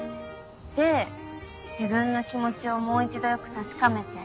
で自分の気持ちをもう一度よく確かめて。